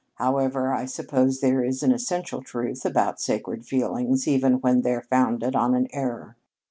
However, I suppose there is an essential truth about sacred feelings even when they're founded on an error.